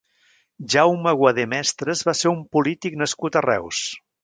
Jaume Aguadé Mestres va ser un polític nascut a Reus.